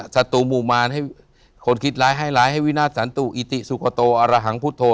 สัตว์มุมา์ให้คนนำคริสไลฟ์ให้ร้ายให้วินาศสารที่อี้ติศวกาโตอรหังพุทธโธ